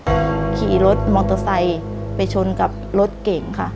อุบัติเหตุขี่รถมอเตอร์ไซด์ไปชนกับรถเก่งค่ะ